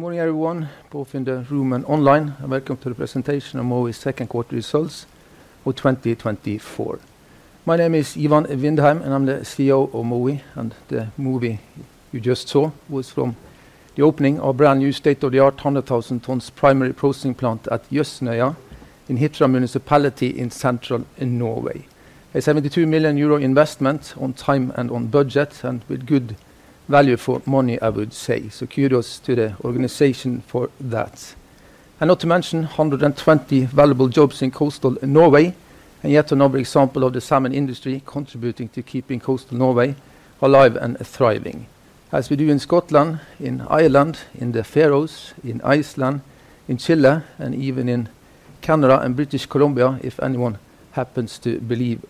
Good morning, everyone, both in the room and online, and welcome to the presentation of Mowi's second quarter results for 2024. My name is Ivan Vindheim, and I'm the CEO of Mowi, and the movie you just saw was from the opening of our brand new state-of-the-art 100,000-ton primary processing plant at Jøsnøya in Hitra Municipality in Central Norway. A 72 million euro investment on time and on budget, and with good value for money, I would say. So kudos to the organization for that. And not to mention 120 valuable jobs in Coastal Norway, and yet another example of the salmon industry contributing to keeping Coastal Norway alive and thriving, as we do in Scotland, in Ireland, in the Faroes, in Iceland, in Chile, and even in Canada and British Columbia, if anyone happens to believe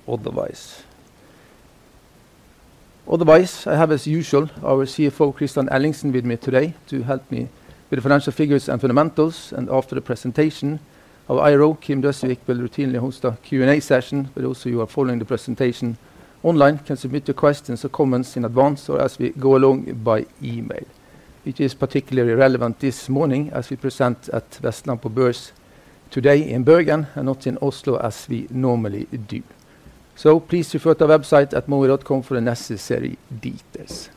otherwise. Otherwise, I have, as usual, our CFO, Kristian Ellingsen, with me today to help me with the financial figures and fundamentals, and after the presentation, our IRO, Kim Døsvik, will routinely host a Q&A session. But also, you are following the presentation online, can submit your questions or comments in advance or as we go along by email. It is particularly relevant this morning as we present at Vestland på Børs today in Bergen and not in Oslo as we normally do. So please refer to our website at mowi.com for the necessary details.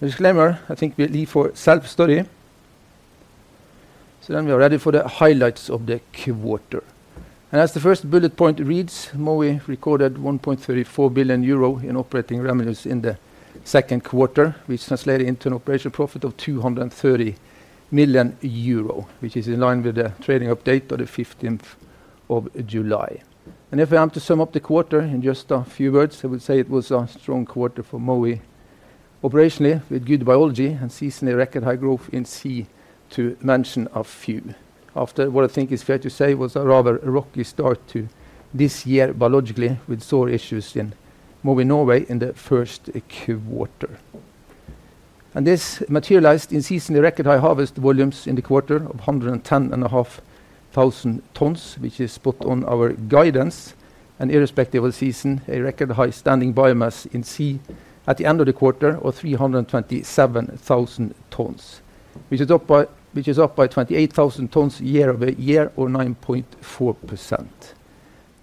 Disclaimer, I think we leave for self-study. So then we are ready for the highlights of the quarter. As the first bullet point reads, Mowi recorded 1.34 billion euro in operating revenues in the second quarter, which translated into an operational profit of 230 million euro, which is in line with the trading update on the 15th July. If I am to sum up the quarter in just a few words, I would say it was a strong quarter for Mowi operationally, with good biology and seasonally record high growth in sea, to mention a few. After what I think is fair to say was a rather rocky start to this year biologically, with sore issues in Mowi Norway in the first quarter. This materialized in seasonally record-high harvest volumes in the quarter of 110.5 thousand tons, which is spot on our guidance and irrespective of the season, a record high standing biomass in sea at the end of the quarter of 327 thousand tons, which is up by 28 thousand tons year over year, or 9.4%.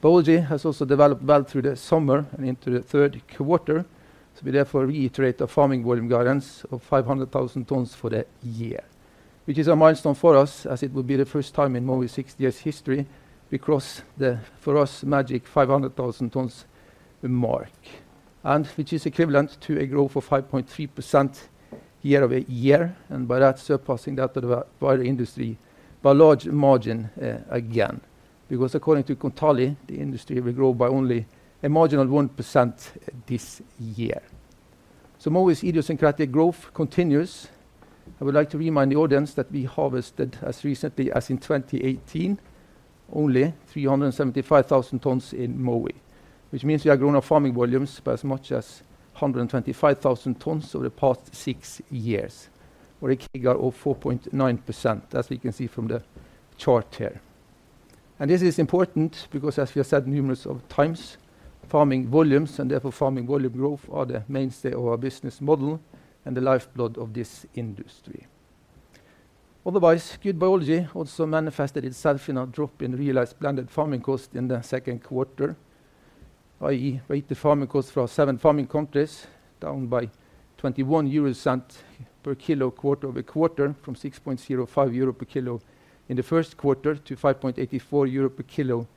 Biology has also developed well through the summer and into the third quarter, so we therefore reiterate a farming volume guidance of 500,000 tons for the year, which is a milestone for us, as it will be the first time in Mowi's 60 years history, we cross the, for us, magic 500,000 tons mark, and which is equivalent to a growth of 5.3% year over year, and by that, surpassing that of the wider industry by large margin, again, because according to Kontali, the industry will grow by only a marginal 1% this year. So Mowi's idiosyncratic growth continues. I would like to remind the audience that we harvested as recently as in 2018 only 375,000 tons in Mowi, which means we have grown our farming volumes by as much as 125,000 tons over the past six years, or a CAGR of 4.9%, as we can see from the chart here, and this is important because, as we have said numerous times, farming volumes and therefore farming volume growth are the mainstay of our business model and the lifeblood of this industry. Otherwise, good biology also manifested itself in a drop in realized blended farming cost in the second quarter, i.e., weighted farming cost for our seven farming countries, down by 0.21 per kilo quarter over quarter, from 6.05 euro per kilo in the first quarter to 5.84 euro per kilo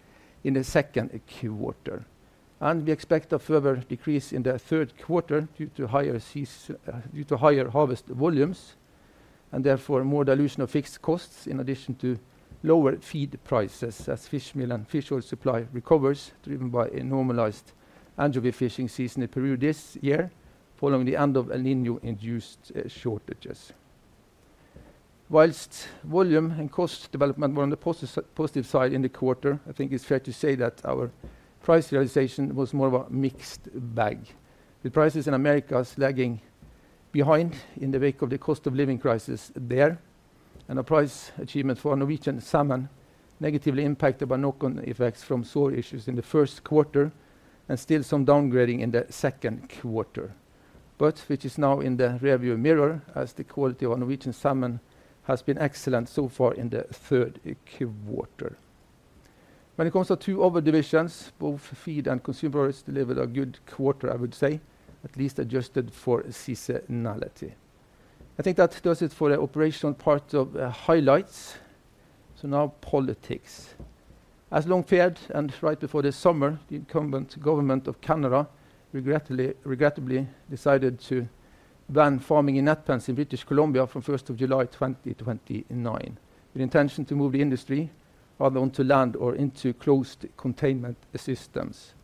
in the second quarter. We expect a further decrease in the third quarter due to higher harvest volumes, and therefore more dilution of fixed costs, in addition to lower feed prices as fishmeal and fish oil supply recovers, driven by a normalized anchovy fishing season in Peru this year, following the end of El Niño-induced shortages. While volume and cost development were on the positive side in the quarter, I think it's fair to say that our price realization was more of a mixed bag, with prices in Americas lagging behind in the wake of the cost of living crisis there, and a price achievement for Norwegian salmon negatively impacted by knock-on effects from sore issues in the first quarter and still some downgrading in the second quarter. But which is now in the rearview mirror, as the quality of our Norwegian salmon has been excellent so far in the third quarter. When it comes to two other divisions, both Feed and Consumer delivered a good quarter, I would say, at least adjusted for seasonality. I think that does it for the operational part of the highlights. So now, politics. As long feared and right before the summer, the incumbent government of Canada regrettably decided to ban farming in net pens in British Columbia from the first of July, 2029, with intention to move the industry either onto land or into closed containment systems,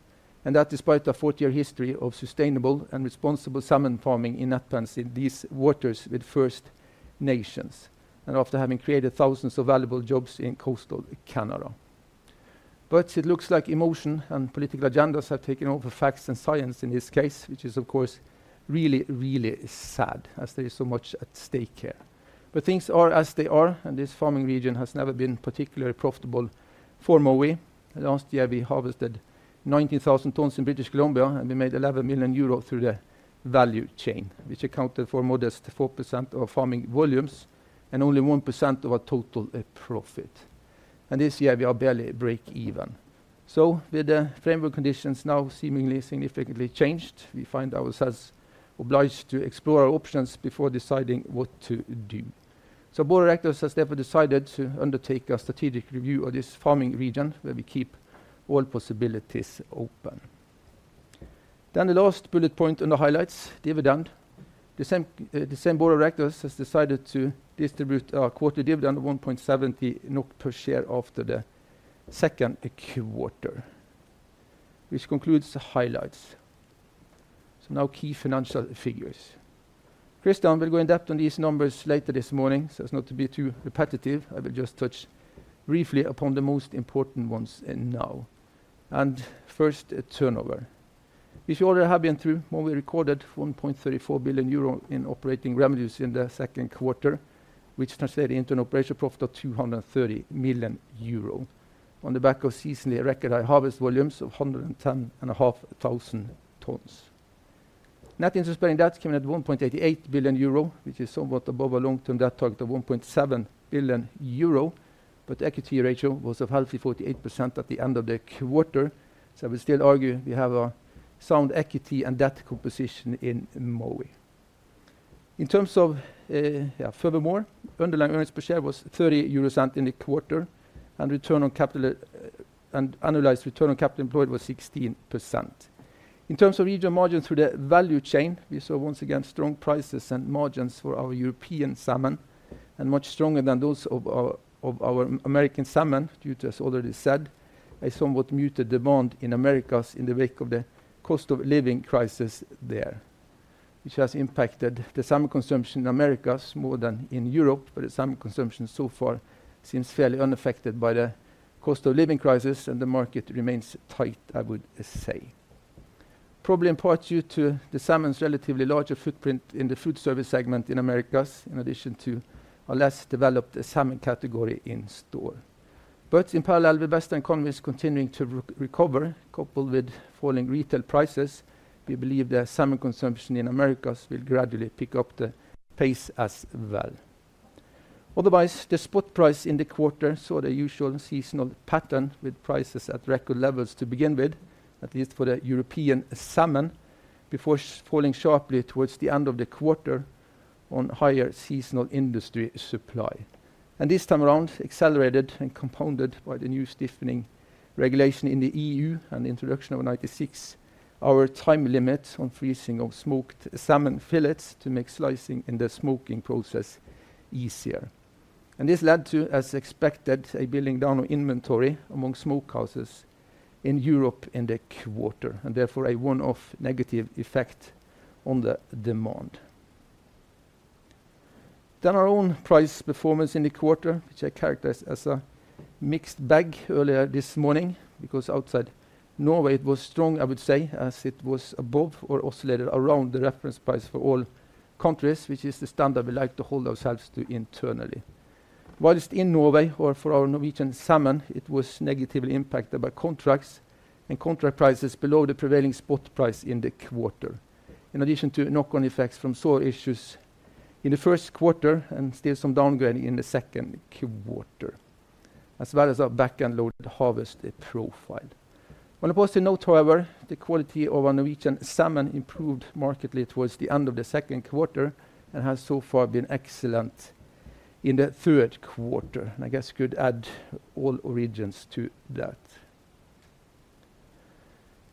and that despite a forty-year history of sustainable and responsible salmon farming in net pens in these waters with First Nations, and after having created thousands of valuable jobs in coastal Canada. It looks like emotion and political agendas have taken over facts and science in this case, which is, of course, really, really sad, as there is so much at stake here.... Things are as they are, and this farming region has never been particularly profitable for Mowi. Last year, we harvested 19,000 tons in British Columbia, and we made 11 million euros through the value chain, which accounted for a modest 4% of farming volumes and only 1% of our total profit. This year, we are barely break even. With the framework conditions now seemingly significantly changed, we find ourselves obliged to explore our options before deciding what to do. The board of directors has therefore decided to undertake a strategic review of this farming region, where we keep all possibilities open. The last bullet point on the highlights, dividend. The same board of directors has decided to distribute our quarter dividend, 1.70 NOK per share after the second quarter, which concludes the highlights. Now key financial figures. Christian will go in depth on these numbers later this morning, so as not to be too repetitive, I will just touch briefly upon the most important ones, now. And first, turnover. If you already have been through, Mowi recorded 1.34 billion euro in operating revenues in the second quarter, which translated into an operating profit of 230 million euro on the back of seasonally record-high harvest volumes of 110.5 thousand tons. Net interest-bearing debt came in at 1.88 billion euro, which is somewhat above our long-term debt target of 1.7 billion euro, but equity ratio was a healthy 48% at the end of the quarter. So I will still argue we have a sound equity and debt composition in Mowi. In terms of... Yeah, furthermore, underlying earnings per share was EUR 0.30 in the quarter, and return on capital, and annualized return on capital employed was 16%. In terms of regional margins through the value chain, we saw once again strong prices and margins for our European salmon, and much stronger than those of our American salmon, due to, as already said, a somewhat muted demand in Americas in the wake of the cost-of-living crisis there, which has impacted the salmon consumption in Americas more than in Europe. But the salmon consumption so far seems fairly unaffected by the cost-of-living crisis, and the market remains tight, I would say. Probably in part due to the salmon's relatively larger footprint in the food service segment in Americas, in addition to a less developed salmon category in store. In parallel, with Western economies continuing to recover, coupled with falling retail prices, we believe the salmon consumption in Americas will gradually pick up the pace as well. Otherwise, the spot price in the quarter saw the usual seasonal pattern, with prices at record levels to begin with, at least for the European salmon, before falling sharply towards the end of the quarter on higher seasonal industry supply. This time around, accelerated and compounded by the new stiffening regulation in the EU and the introduction of a 96-hour time limit on freezing of smoked salmon fillets to make slicing in the smoking process easier. This led to, as expected, a building down of inventory among smokehouses in Europe in the quarter, and therefore a one-off negative effect on the demand. Then, our own price performance in the quarter, which I characterized as a mixed bag earlier this morning, because outside Norway, it was strong, I would say, as it was above or oscillated around the reference price for all countries, which is the standard we like to hold ourselves to internally. While in Norway or for our Norwegian salmon, it was negatively impacted by contracts and contract prices below the prevailing spot price in the quarter, in addition to knock-on effects from sea lice issues in the first quarter and still some downgrading in the second quarter, as well as our back-end-loaded harvest profile. On a positive note, however, the quality of our Norwegian salmon improved markedly towards the end of the second quarter and has so far been excellent in the third quarter, and I guess could add all origins to that.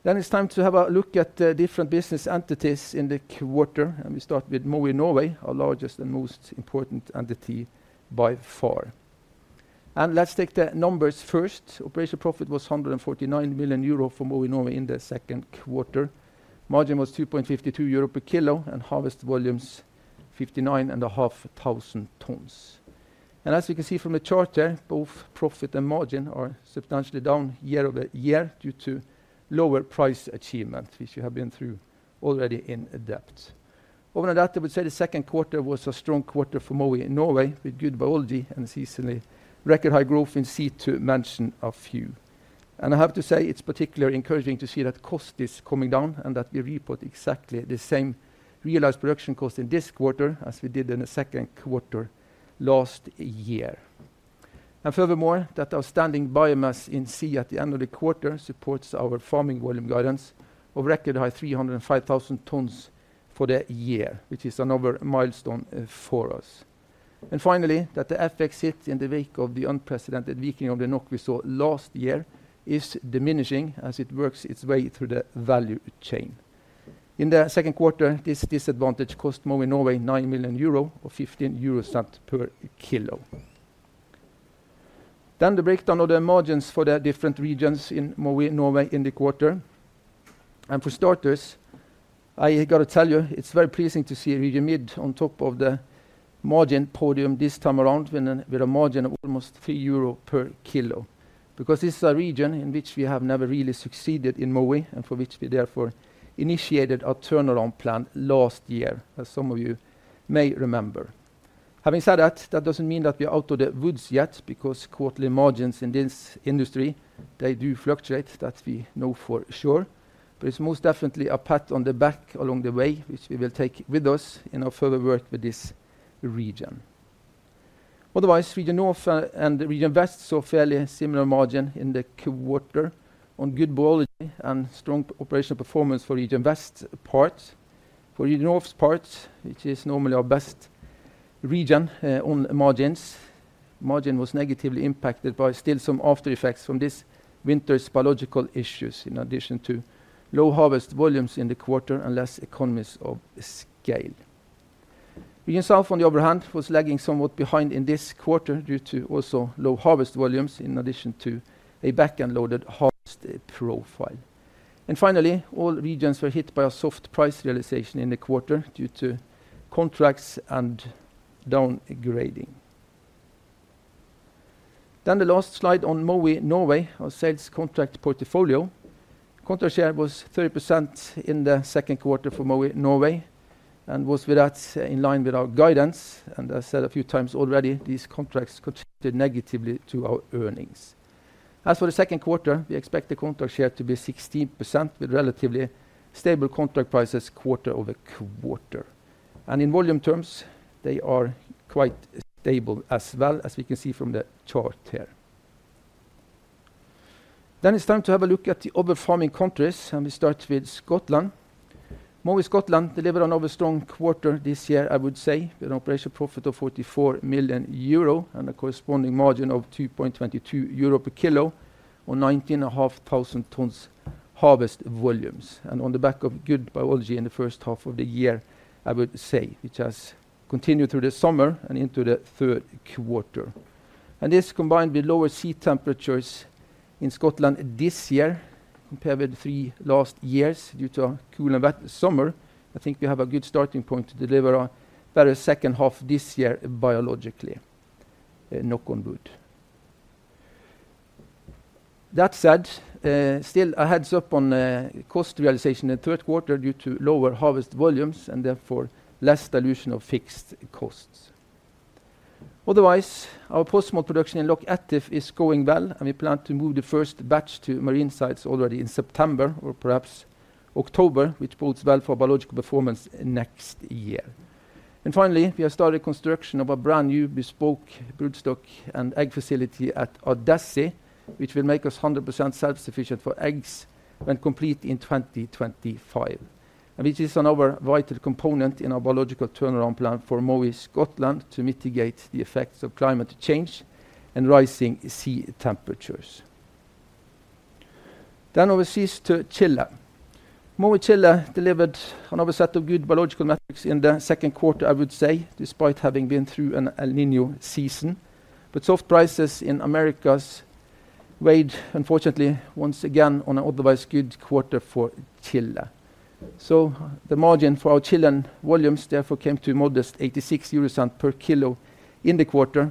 Then it's time to have a look at the different business entities in the quarter, and we start with Mowi Norway, our largest and most important entity by far. And let's take the numbers first. Operational profit was 149 million euro for Mowi Norway in the second quarter. Margin was 2.52 euro per kilo, and harvest volumes, 59.5 thousand tons. And as you can see from the chart there, both profit and margin are substantially down year over year due to lower price achievement, which you have been through already in depth. Other than that, I would say the second quarter was a strong quarter for Mowi in Norway, with good biology and seasonally record high growth in sea, to mention a few. I have to say, it's particularly encouraging to see that cost is coming down and that we report exactly the same realized production cost in this quarter as we did in the second quarter last year. Furthermore, that our standing biomass in sea at the end of the quarter supports our farming volume guidance of record high 305,000 tons for the year, which is another milestone for us. Finally, that the effect hit in the wake of the unprecedented weakening of the NOK we saw last year is diminishing as it works its way through the value chain. In the second quarter, this disadvantage cost Mowi Norway 9 million euro or 0.15 euros per kilo. The breakdown of the margins for the different regions in Mowi Norway in the quarter. For starters, I got to tell you, it's very pleasing to see Region Mid on top of the margin podium this time around, with a margin of almost 3 euro per kilo. Because this is a region in which we have never really succeeded in Mowi, and for which we therefore initiated our turnaround plan last year, as some of you may remember. Having said that, that doesn't mean that we are out of the woods yet, because quarterly margins in this industry, they do fluctuate, that we know for sure. But it's most definitely a pat on the back along the way, which we will take with us in our further work with this region. Otherwise, Region North and Region West saw fairly similar margin in the quarter on good biology and strong operational performance for Region West part. For Region North part, which is normally our best region, on margins, margin was negatively impacted by still some after effects from this winter's biological issues, in addition to low harvest volumes in the quarter and less economies of scale. Region South, on the other hand, was lagging somewhat behind in this quarter due to also low harvest volumes, in addition to a back-end loaded harvest profile, and finally, all regions were hit by a soft price realization in the quarter due to contracts and downgrading, then the last slide on Mowi Norway, our sales contract portfolio. Contract share was 30% in the second quarter for Mowi Norway, and was with that in line with our guidance, and I said a few times already, these contracts contributed negatively to our earnings. As for the second quarter, we expect the contract share to be 16%, with relatively stable contract prices quarter over quarter. And in volume terms, they are quite stable as well, as we can see from the chart here. Then it's time to have a look at the other farming countries, and we start with Scotland. Mowi Scotland delivered another strong quarter this year, I would say, with an operational profit of 44 million euro and a corresponding margin of 2.22 euro per kilo on 19,500 tons harvest volumes. And on the back of good biology in the first half of the year, I would say, which has continued through the summer and into the third quarter. And this, combined with lower sea temperatures in Scotland this year, compared with the three last years due to a cool and wet summer, I think we have a good starting point to deliver a better second half this year, biologically. Knock on wood. That said, still a heads-up on cost realization in the third quarter due to lower harvest volumes, and therefore less dilution of fixed costs. Otherwise, our post-smolt production in Loch Etive is going well, and we plan to move the first batch to marine sites already in September or perhaps October, which bodes well for biological performance next year. And finally, we have started construction of a brand-new bespoke broodstock and egg facility at Ardassie, which will make us 100% self-sufficient for eggs when complete in 2025. Which is another vital component in our biological turnaround plan for Mowi Scotland to mitigate the effects of climate change and rising sea temperatures. Overseas to Chile. Mowi Chile delivered another set of good biological metrics in the second quarter, I would say, despite having been through an El Niño season. Soft prices in Americas weighed, unfortunately, once again, on an otherwise good quarter for Chile. The margin for our Chilean volumes therefore came to a modest 0.86 per kilo in the quarter,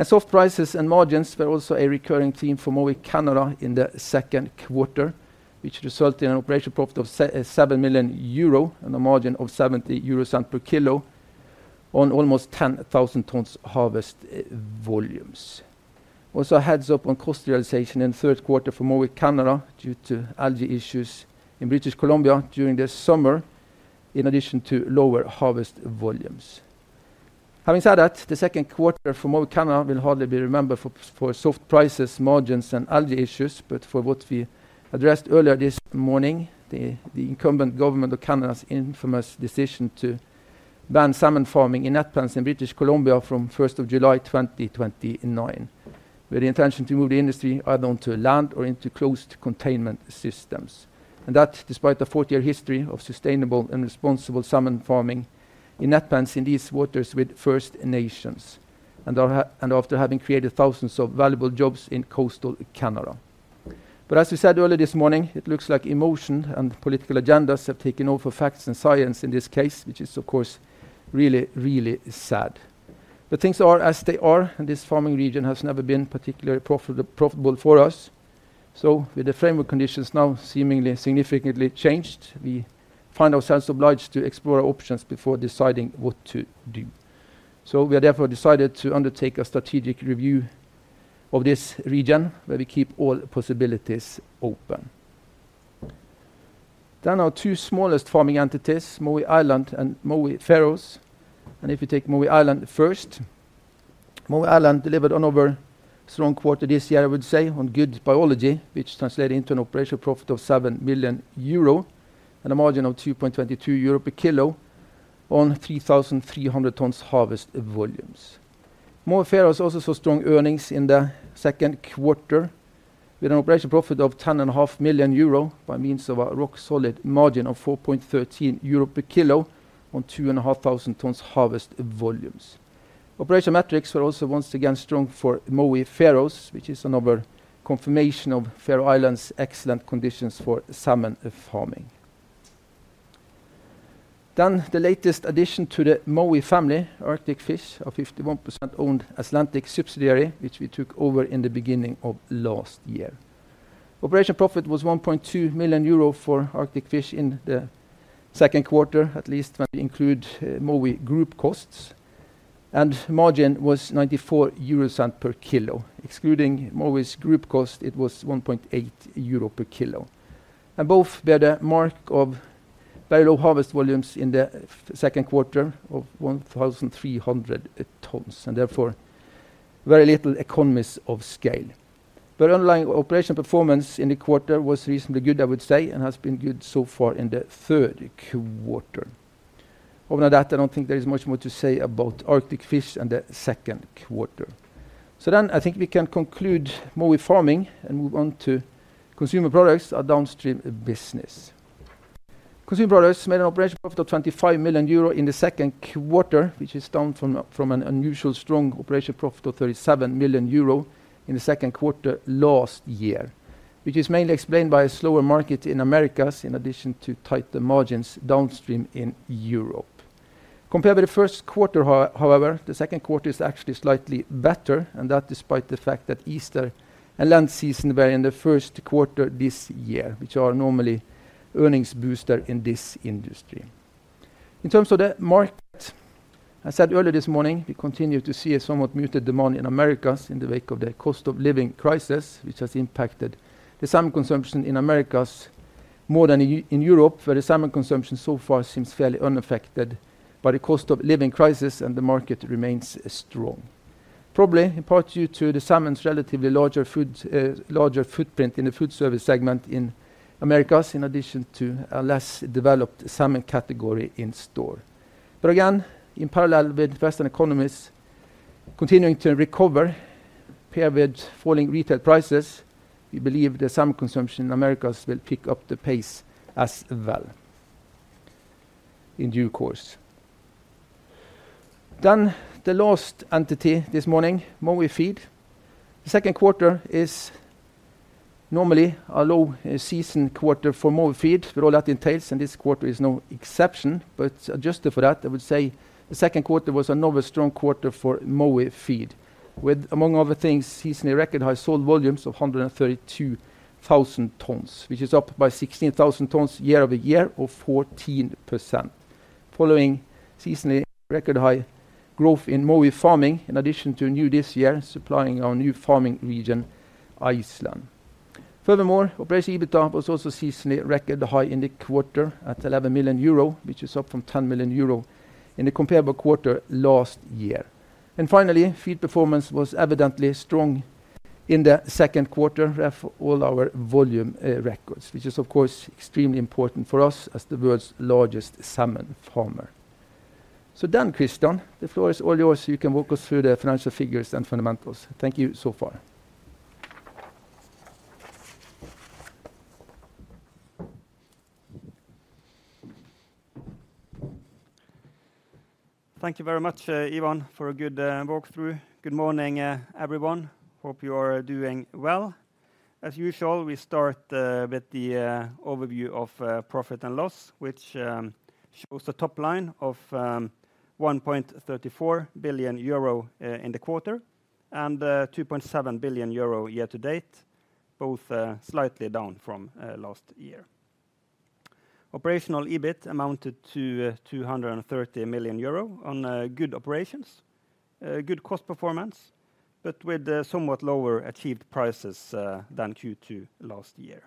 which is considerably lower than that of our European salmon. Paired with 15,000 tons harvest volumes, this translate into an operational profit of 12.5 million EUR in the quarter, which is substantially down from the 25 million EUR we made in the second quarter last year on then 14,000 tons harvest volumes. Soft prices and margins were also a recurring theme for Mowi Canada in the second quarter, which resulted in an operational profit of 7 million euro and a margin of 0.70 per kilo on almost 10,000 tons harvest volumes. Also, a heads-up on cost realization in the third quarter for Mowi Canada due to algae issues in British Columbia during the summer, in addition to lower harvest volumes. Having said that, the second quarter for Mowi Canada will hardly be remembered for soft prices, margins, and algae issues, but for what we addressed earlier this morning, the incumbent government of Canada's infamous decision to ban salmon farming in net pens in British Columbia from the first of July 2029, with the intention to move the industry either onto land or into closed containment systems. That, despite the forty-year history of sustainable and responsible salmon farming in net pens in these waters with First Nations, and after having created thousands of valuable jobs in coastal Canada. As we said earlier this morning, it looks like emotion and political agendas have taken over facts and science in this case, which is, of course, really, really sad. Things are as they are, and this farming region has never been particularly profitable for us. With the framework conditions now seemingly significantly changed, we find ourselves obliged to explore our options before deciding what to do. We have therefore decided to undertake a strategic review of this region, where we keep all possibilities open. Our two smallest farming entities, Mowi Ireland and Mowi Faroes. If you take Mowi Ireland first, Mowi Ireland delivered another strong quarter this year, I would say, on good biology, which translated into an operational profit of 7 million euro and a margin of 2.22 euro per kilo on 3,300 tons harvest volumes. Mowi Faroes also saw strong earnings in the second quarter. With an operational profit of 10.5 million euro by means of a rock solid margin of 4.13 euro per kilo on 2,500 tons harvest volumes. Operational metrics were also once again strong for Mowi Faroes, which is another confirmation of Faroe Islands excellent conditions for salmon farming. Then the latest addition to the Mowi family, Arctic Fish, a 51% owned Atlantic subsidiary, which we took over in the beginning of last year. Operating profit was 1.2 million euro for Arctic Fish in the second quarter, at least when we include Mowi Group costs, and margin was 0.94 per kilo. Excluding Mowi's group cost, it was 1.8 euro per kilo, and both bear the mark of very low harvest volumes in the second quarter of 1,300 tons, and therefore, very little economies of scale, but underlying operating performance in the quarter was reasonably good, I would say, and has been good so far in the third quarter. Other than that, I don't think there is much more to say about Arctic Fish and the second quarter, so then I think we can conclude Mowi farming and move on to Consumer Products, our downstream business. Consumer Products made an operational profit of 25 million euro in the second quarter, which is down from an unusually strong operational profit of 37 million euro in the second quarter last year, which is mainly explained by a slower market in Americas, in addition to tighter margins downstream in Europe. Compared with the first quarter, however, the second quarter is actually slightly better, and that despite the fact that Easter and Lent season were in the first quarter this year, which are normally earnings booster in this industry. In terms of the market, I said earlier this morning, we continue to see a somewhat muted demand in Americas in the wake of the cost of living crisis, which has impacted the salmon consumption in Americas more than in Europe, where the salmon consumption so far seems fairly unaffected by the cost of living crisis, and the market remains strong. Probably, in part due to the salmon's relatively larger footprint in the food service segment in Americas, in addition to a less developed salmon category in store. But again, in parallel with Western economies continuing to recover, paired with falling retail prices, we believe the salmon consumption in Americas will pick up the pace as well in due course. Then, the last entity this morning, Mowi Feed. The second quarter is normally a low season quarter for Mowi Feed, with all that entails, and this quarter is no exception. But adjusted for that, I would say the second quarter was another strong quarter for Mowi Feed, with, among other things, seasonally record-high sold volumes of 132,000 tons, which is up by 16,000 tons year over year or 14%, following seasonally record high growth in Mowi farming, in addition to new this year, supplying our new farming region, Iceland. Furthermore, operational EBITDA was also seasonally record high in the quarter at 11 million euro, which is up from 10 million euro in the comparable quarter last year. And finally, feed performance was evidently strong in the second quarter for all our volume records, which is, of course, extremely important for us as the world's largest salmon farmer. So then, Kristian, the floor is all yours, so you can walk us through the financial figures and fundamentals. Thank you so far. Thank you very much, Ivan, for a good walk through. Good morning, everyone. Hope you are doing well. As usual, we start with the overview of profit and loss, which shows the top line of 1.34 billion euro in the quarter and 2.7 billion euro year to date, both slightly down from last year. Operational EBIT amounted to 230 million euro on good operations, good cost performance, but with a somewhat lower achieved prices than Q2 last year.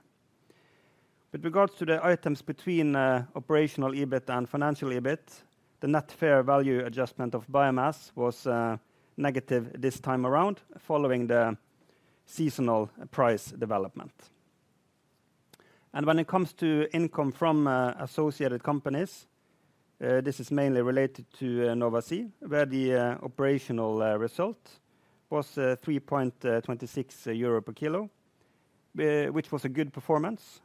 With regards to the items between operational EBIT and financial EBIT, the net fair value adjustment of biomass was negative this time around, following the seasonal price development. And when it comes to income from associated companies, this is mainly related to Nova Sea, where the operational result was 3.26 euro per kilo, which was a good performance,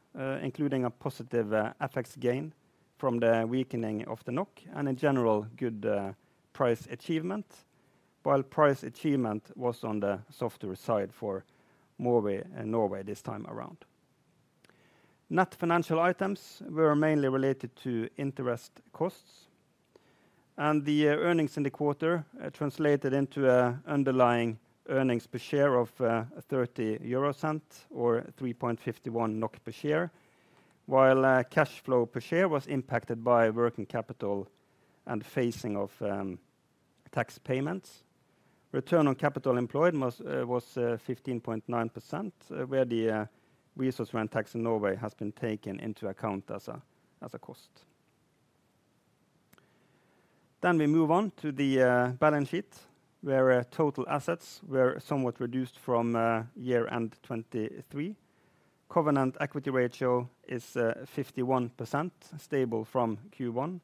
including a positive FX gain from the weakening of the NOK and in general, good price achievement. While price achievement was on the softer side for Mowi and Norway this time around. Net financial items were mainly related to interest costs, and the earnings in the quarter translated into underlying earnings per share of 0.30 EUR or 3.51 NOK per share. While cash flow per share was impacted by working capital and phasing of tax payments. Return on capital employed was 15.9%, where the resource rent tax in Norway has been taken into account as a cost. Then we move on to the balance sheet, where total assets were somewhat reduced from year-end 2023. Covenant equity ratio is 51%, stable from Q1.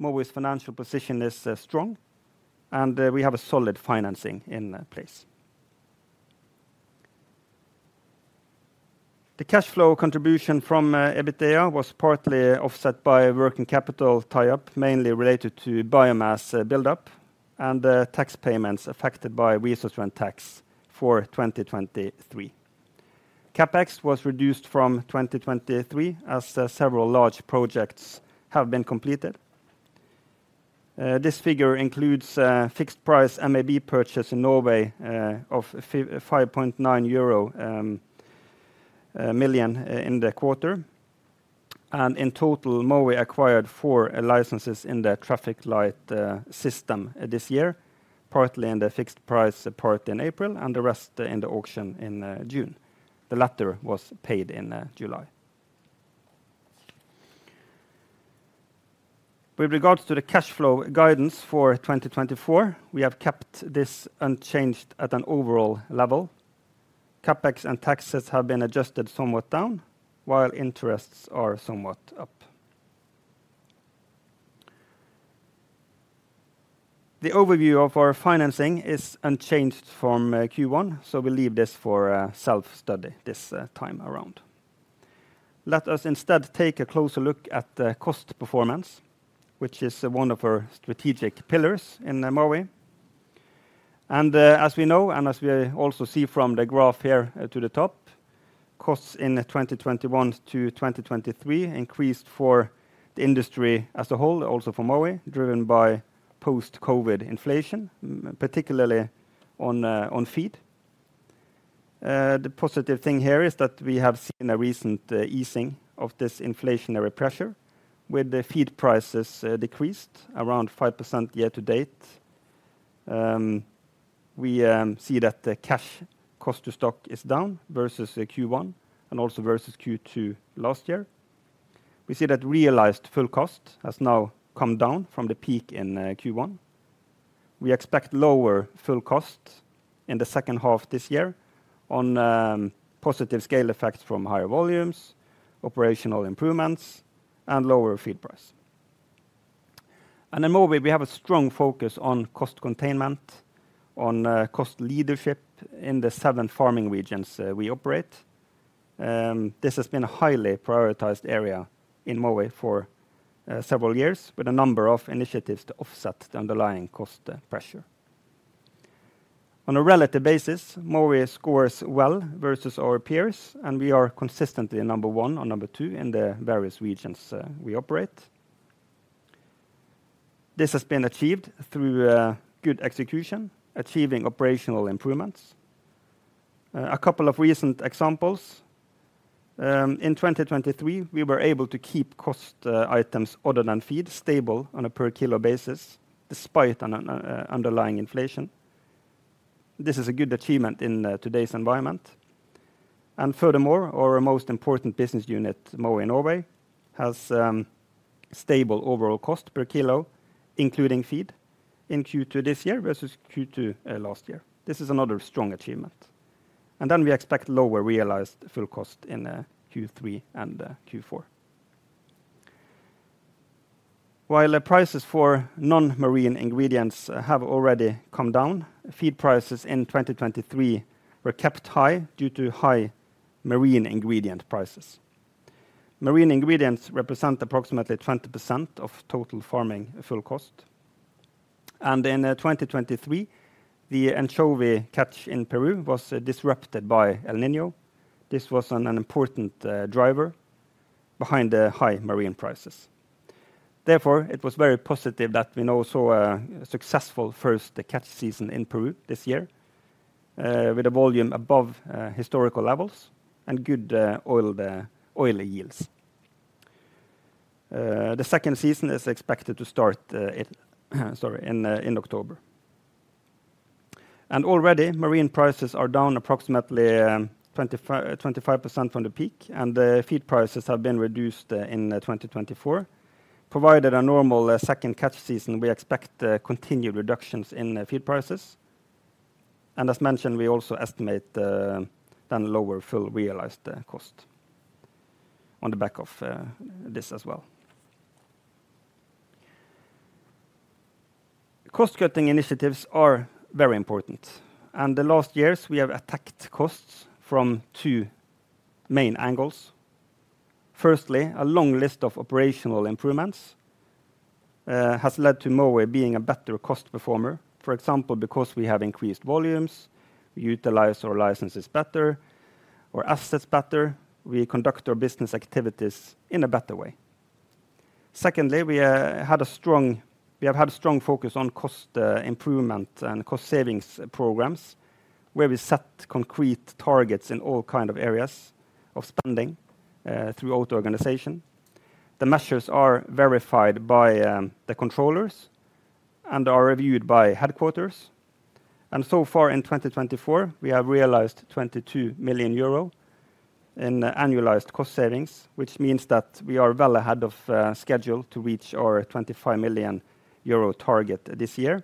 Mowi's financial position is strong, and we have a solid financing in place. The cash flow contribution from EBITDA was partly offset by working capital tie-up, mainly related to biomass build-up and tax payments affected by resource rent tax for 2023. CapEx was reduced from 2023 as several large projects have been completed. This figure includes fixed price and MAB purchase in Norway of five point nine euro million in the quarter. In total, Mowi acquired four licenses in the traffic light system this year, partly in the fixed price, partly in April, and the rest in the auction in June. The latter was paid in July. With regards to the cash flow guidance for 2024, we have kept this unchanged at an overall level. CapEx and taxes have been adjusted somewhat down, while interests are somewhat up. The overview of our financing is unchanged from Q1, so we'll leave this for self-study this time around. Let us instead take a closer look at the cost performance, which is one of our strategic pillars in Mowi. As we know, and as we also see from the graph here to the top, costs in 2021 to 2023 increased for the industry as a whole, also for Mowi, driven by post-COVID inflation, particularly on feed. The positive thing here is that we have seen a recent easing of this inflationary pressure, with the feed prices decreased around 5% year to date. We see that the cash cost to stock is down versus Q1 and also versus Q2 last year. We see that realized full cost has now come down from the peak in Q1. We expect lower full cost in the second half this year on positive scale effects from higher volumes, operational improvements, and lower feed price. In Mowi, we have a strong focus on cost containment, on cost leadership in the seven farming regions we operate. This has been a highly prioritized area in Mowi for several years, with a number of initiatives to offset the underlying cost pressure. On a relative basis, Mowi scores well versus our peers, and we are consistently number one or number two in the various regions we operate. This has been achieved through good execution, achieving operational improvements. A couple of recent examples. In 2023, we were able to keep cost items other than feed stable on a per kilo basis, despite an underlying inflation. This is a good achievement in today's environment. Furthermore, our most important business unit, Mowi Norway, has stable overall cost per kilo, including feed, in Q2 this year versus Q2 last year. This is another strong achievement, and then we expect lower realized full cost in Q3 and Q4. While the prices for non-marine ingredients have already come down, feed prices in 2023 were kept high due to high marine ingredient prices. Marine ingredients represent approximately 20% of total farming full cost, and in 2023, the anchovy catch in Peru was disrupted by El Niño. This was an important driver behind the high marine prices. Therefore, it was very positive that we now saw a successful first catch season in Peru this year with a volume above historical levels and good oil yields. The second season is expected to start in October, and already, marine prices are down approximately 25% from the peak, and the feed prices have been reduced in 2024. Provided a normal second catch season, we expect continued reductions in the feed prices, and as mentioned, we also estimate then lower full realized cost on the back of this as well. Cost-cutting initiatives are very important, and the last years we have attacked costs from two main angles. Firstly, a long list of operational improvements has led to Mowi being a better cost performer. For example, because we have increased volumes, we utilize our licenses better, our assets better, we conduct our business activities in a better way. Secondly, we have had a strong focus on cost improvement and cost savings programs, where we set concrete targets in all kind of areas of spending throughout the organization. The measures are verified by the controllers and are reviewed by headquarters. So far in 2024, we have realized 22 million euro in annualized cost savings, which means that we are well ahead of schedule to reach our 25 million euro target this year.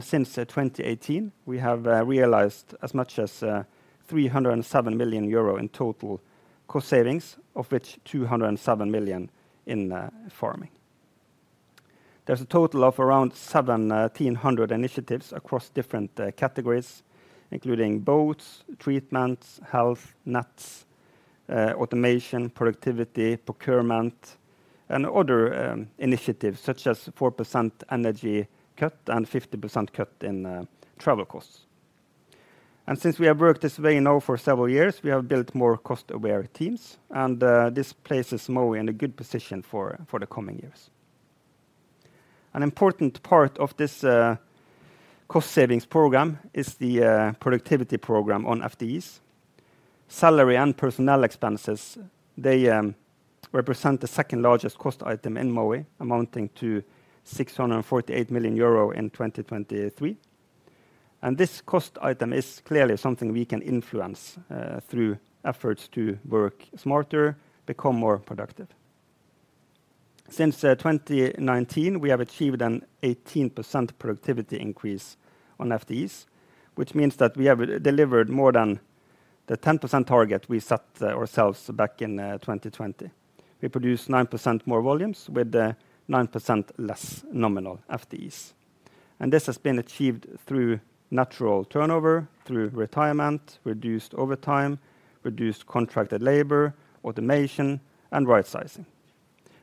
Since 2018, we have realized as much as 307 million euro in total cost savings, of which 207 million in farming. There's a total of around 1,700 initiatives across different categories, including boats, treatments, health, nets, automation, productivity, procurement, and other initiatives, such as 4% energy cut and 50% cut in travel costs. And since we have worked this way now for several years, we have built more cost-aware teams, and this places Mowi in a good position for the coming years. An important part of this cost savings program is the productivity program on FTEs. Salary and personnel expenses, they represent the second-largest cost item in Mowi, amounting to 648 million euro in 2023, and this cost item is clearly something we can influence through efforts to work smarter, become more productive. Since 2019, we have achieved an 18% productivity increase on FTEs, which means that we have delivered more than the 10% target we set ourselves back in 2020. We produce 9% more volumes with 9% less nominal FTEs, and this has been achieved through natural turnover, through retirement, reduced overtime, reduced contracted labor, automation, and right-sizing,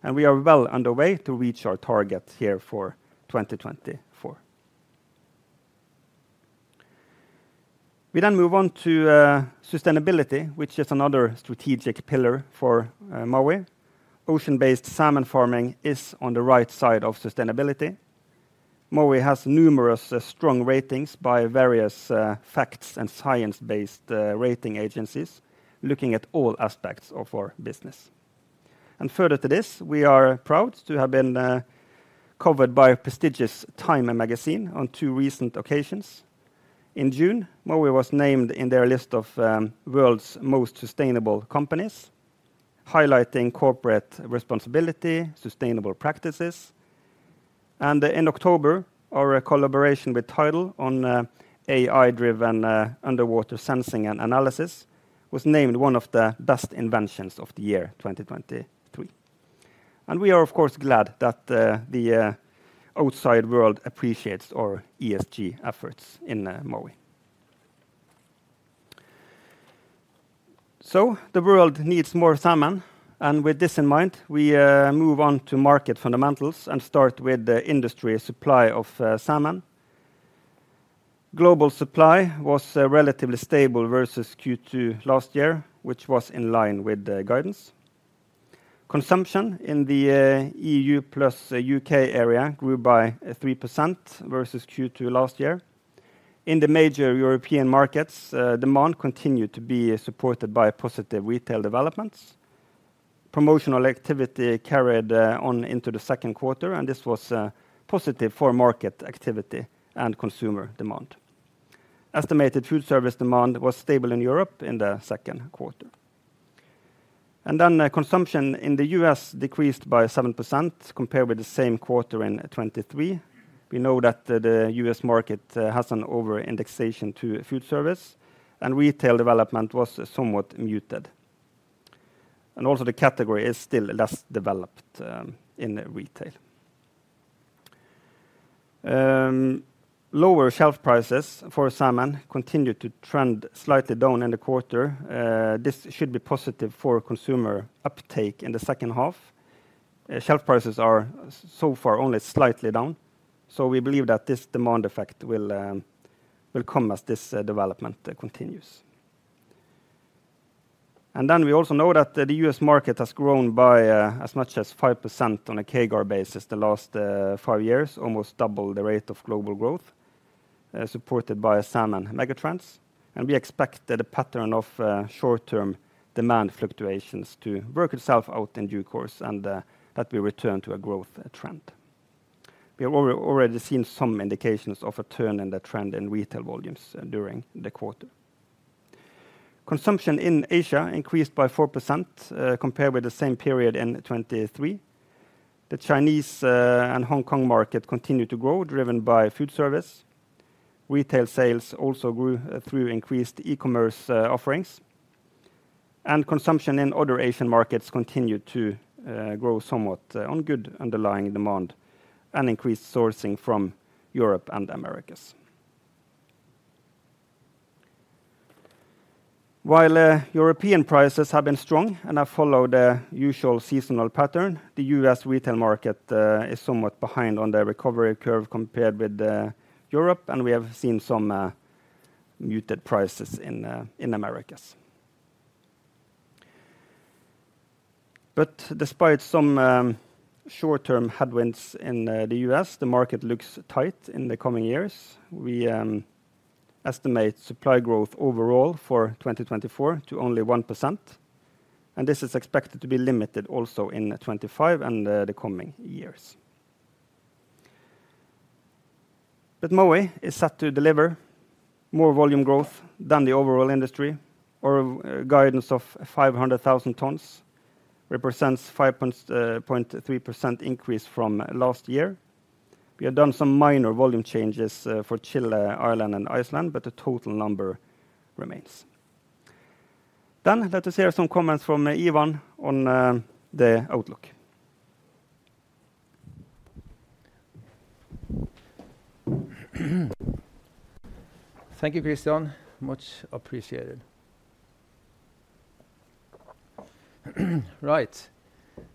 and we are well underway to reach our target here for 2024. We then move on to sustainability, which is another strategic pillar for Mowi. Ocean-based salmon farming is on the right side of sustainability. Mowi has numerous strong ratings by various facts and science-based rating agencies looking at all aspects of our business. And further to this, we are proud to have been covered by prestigious Time magazine on two recent occasions. In June, Mowi was named in their list of world's most sustainable companies, highlighting corporate responsibility, sustainable practices. In October, our collaboration with Tidal on AI-driven underwater sensing and analysis was named one of the best inventions of the year 2023. We are, of course, glad that the outside world appreciates our ESG efforts in Mowi. The world needs more salmon, and with this in mind, we move on to market fundamentals and start with the industry supply of salmon. Global supply was relatively stable versus Q2 last year, which was in line with the guidance. Consumption in the E.U. plus U.K. area grew by 3% versus Q2 last year. In the major European markets, demand continued to be supported by positive retail developments. Promotional activity carried on into the second quarter, and this was positive for market activity and consumer demand. Estimated food service demand was stable in Europe in the second quarter. And then, consumption in the U.S. decreased by 7% compared with the same quarter in 2023. We know that the U.S. market has an over-indexation to food service, and retail development was somewhat muted, and also the category is still less developed in retail. Lower shelf prices for salmon continued to trend slightly down in the quarter. This should be positive for consumer uptake in the second half. Shelf prices are so far only slightly down, so we believe that this demand effect will come as this development continues. And then we also know that the U.S. market has grown by as much as 5% on a CAGR basis the last five years, almost double the rate of global growth, supported by a salmon megatrends. We expect that a pattern of short-term demand fluctuations to work itself out in due course and that we return to a growth trend. We have already seen some indications of a turn in the trend in retail volumes during the quarter. Consumption in Asia increased by 4%, compared with the same period in 2023. The Chinese and Hong Kong market continued to grow, driven by food service. Retail sales also grew through increased e-commerce offerings, and consumption in other Asian markets continued to grow somewhat on good underlying demand and increased sourcing from Europe and Americas. While, European prices have been strong and have followed a usual seasonal pattern, the U.S. retail market, is somewhat behind on the recovery curve compared with, Europe, and we have seen some, muted prices in, Americas. But despite some, short-term headwinds in, the U.S., the market looks tight in the coming years. We, estimate supply growth overall for 2024 to only 1%, and this is expected to be limited also in 2025 and, the coming years. But Mowi is set to deliver more volume growth than the overall industry, our guidance of 500,000 tons, represents 5.3% increase from last year. We have done some minor volume changes, for Chile, Ireland, and Iceland, but the total number remains. Then let us hear some comments from Ivan on, the outlook. Thank you, Kristian. Much appreciated. Right.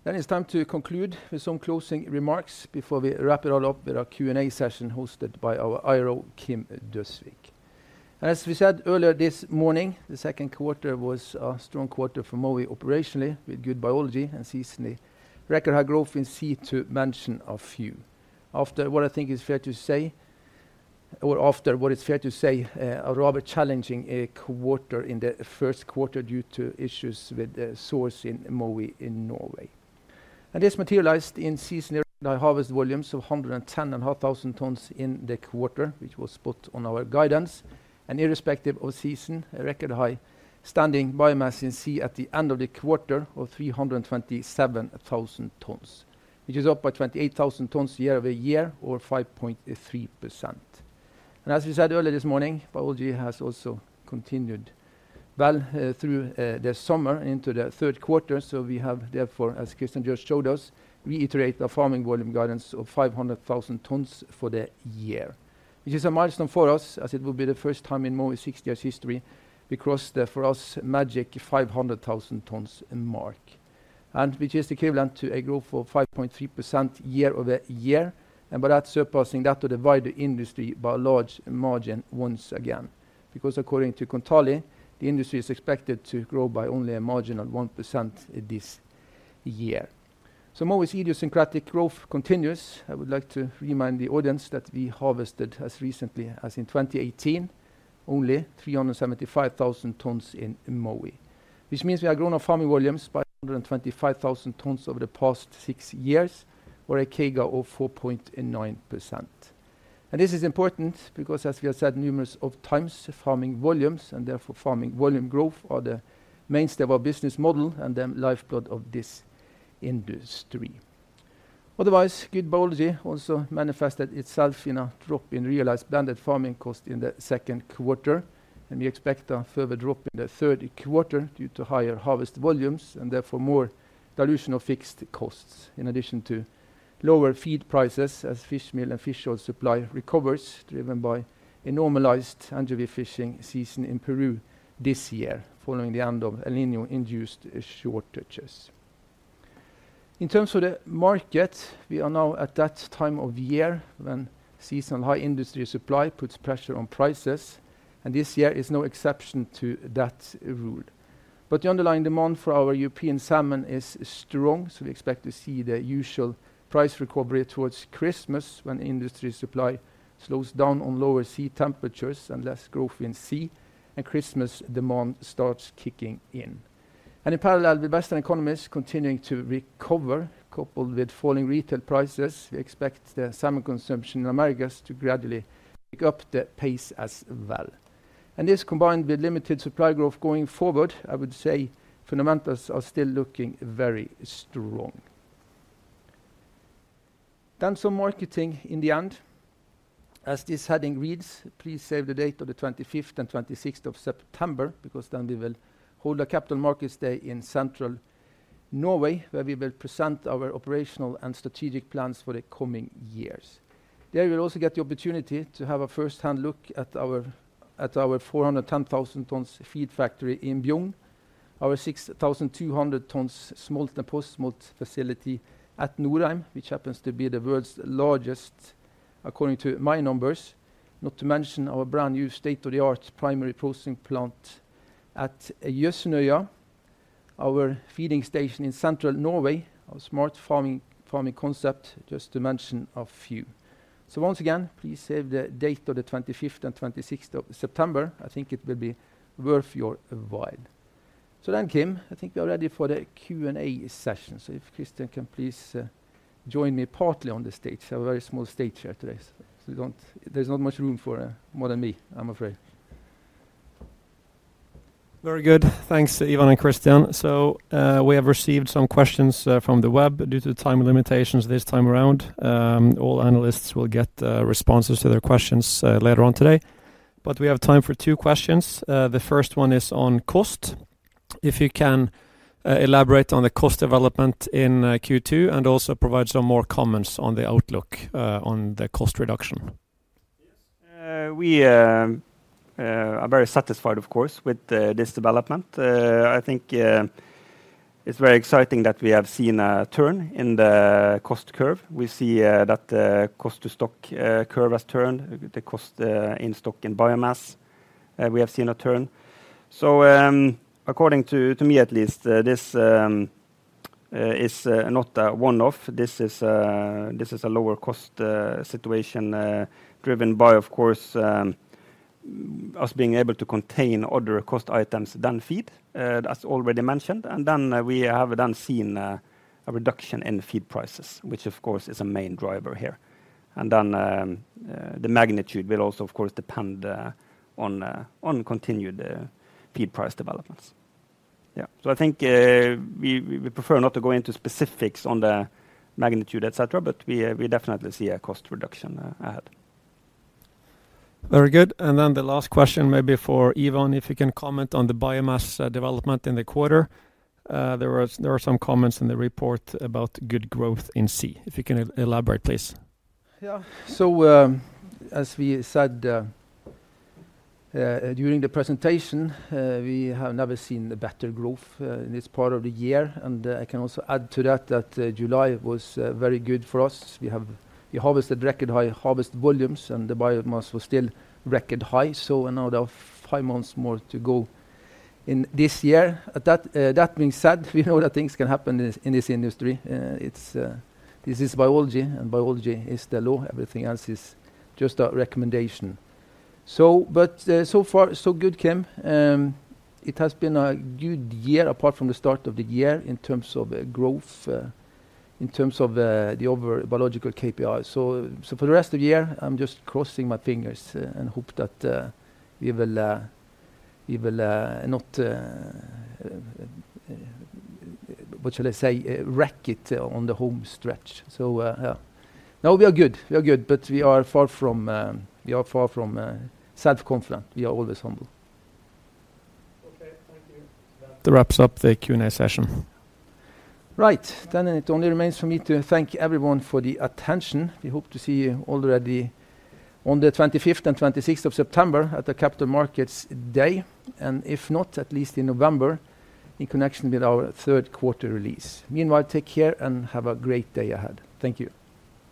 Then it's time to conclude with some closing remarks before we wrap it all up with our Q&A session, hosted by our IR, Kim Døsvik. As we said earlier this morning, the second quarter was a strong quarter for Mowi operationally, with good biology and seasonally record high growth in sea, to mention a few. After what I think is fair to say- or after what is fair to say, a rather challenging quarter in the first quarter due to issues with the sores in Mowi in Norway. And this materialized in the harvest volumes of 110.5 thousand tons in the quarter, which was put on our guidance. Irrespective of season, a record high standing biomass in sea at the end of the quarter of 327,000 tons, which is up by 28,000 tons year over year, or 5.3%. As we said earlier this morning, biology has also continued well through the summer into the third quarter. We have therefore, as Kristian just showed us, reiterated the farming volume guidance of 500,000 tons for the year. This is a milestone for us, as it will be the first time in Mowi's sixty years history we crossed the, for us, magic 500,000 tons mark, and which is equivalent to a growth of 5.3% year over year. By that, surpassing that of the wider industry by a large margin once again. Because according to Kontali, the industry is expected to grow by only a marginal 1% this year, so Mowi's idiosyncratic growth continues. I would like to remind the audience that we harvested as recently as in 2018 only 375,000 tons in Mowi, which means we have grown our farming volumes by 125,000 tons over the past six years, or a CAGR of 4.9%. And this is important because, as we have said numerous of times, farming volumes and therefore farming volume growth are the mainstay of our business model and the lifeblood of this industry. Otherwise, good biology also manifested itself in a drop in realized blended farming cost in the second quarter, and we expect a further drop in the third quarter due to higher harvest volumes and therefore more dilution of fixed costs, in addition to lower feed prices as fish meal and fish oil supply recovers, driven by a normalized anchovy fishing season in Peru this year, following the end of El Niño-induced shortages. In terms of the market, we are now at that time of year when seasonal high industry supply puts pressure on prices, and this year is no exception to that rule. But the underlying demand for our European salmon is strong, so we expect to see the usual price recovery towards Christmas, when industry supply slows down on lower sea temperatures and less growth in sea, and Christmas demand starts kicking in. In parallel, the Western economies continuing to recover, coupled with falling retail prices, we expect the salmon consumption in Americas to gradually pick up the pace as well. This, combined with limited supply growth going forward, I would say fundamentals are still looking very strong. Then some marketing in the end. As this heading reads, please save the date of the 25th and 26th of September, because then we will hold a capital markets day in Central Norway, where we will present our operational and strategic plans for the coming years. There, you will also get the opportunity to have a first-hand look at our 410,000 tons feed factory in Bjugn, our 6,200 tons smolt and post-smolt facility at Nordheim, which happens to be the world's largest, according to my numbers. Not to mention our brand-new state-of-the-art primary processing plant at Jøsnøya, our feeding station in Central Norway, our smart farming concept, just to mention a few. So once again, please save the date of the 25th and 26th of September. I think it will be worth your while. So then, Kim, I think we are ready for the Q&A session. So if Kristian can please join me partly on the stage. I have a very small stage here today, so we don't... There's not much room for more than me, I'm afraid. Very good. Thanks, Ivan and Kristian. So, we have received some questions from the web. Due to time limitations this time around, all analysts will get responses to their questions later on today. But we have time for two questions. The first one is on cost. If you can elaborate on the cost development in Q2, and also provide some more comments on the outlook on the cost reduction. Yes. We are very satisfied, of course, with this development. I think it's very exciting that we have seen a turn in the cost curve. We see that the cost to stock curve has turned, the cost in stock and biomass, we have seen a turn. So according to me at least this is not a one-off. This is a lower cost situation driven by, of course, us being able to contain other cost items than feed, as already mentioned. And then we have seen a reduction in feed prices, which of course, is a main driver here. And then the magnitude will also, of course, depend on continued feed price developments. Yeah. I think we prefer not to go into specifics on the magnitude, et cetera, but we definitely see a cost reduction ahead. Very good. And then the last question may be for Ivan, if you can comment on the biomass development in the quarter. There were some comments in the report about good growth in Chile. If you can elaborate, please. Yeah. So, as we said during the presentation, we have never seen a better growth in this part of the year. And I can also add to that that July was very good for us. We harvested record high harvest volumes, and the biomass was still record high, so another five months more to go in this year. That being said, we know that things can happen in this industry. It's biology, and biology is the law. Everything else is just a recommendation. But so far, so good, Kim. It has been a good year apart from the start of the year in terms of growth in terms of the overall biological KPI. So for the rest of the year, I'm just crossing my fingers and hope that we will not... What shall I say? Wreck it on the home stretch. So, yeah. No, we are good, but we are far from self-confident. We are always humble. Okay, thank you. That wraps up the Q&A session. Right. Then it only remains for me to thank everyone for the attention. We hope to see you already on the 25th and 26th of September at the Capital Markets Day, and if not, at least in November, in connection with our third quarter release. Meanwhile, take care and have a great day ahead. Thank you.